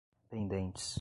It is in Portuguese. pendentes